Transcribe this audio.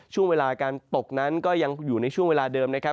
ช่วงเวลาการตกนั้นก็ยังอยู่ในช่วงเวลาเดิมนะครับ